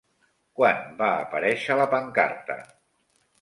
Quan va aparèixer la pancarta?